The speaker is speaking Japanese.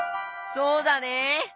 そうだね。